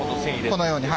このように。